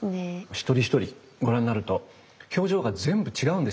一人一人ご覧になると表情が全部違うんですよね。